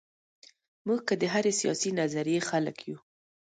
موږ که د هرې سیاسي نظریې خلک یو.